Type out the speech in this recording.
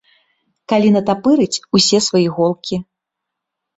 Калі натапырыць усе свае іголкі.